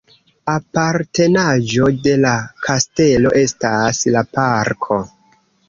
Apartenaĵo de la kastelo estas la parko.